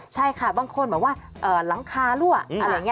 ใช่ค่ะบางคนแบบว่าหลังคารั่วอะไรอย่างนี้